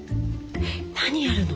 何やるの？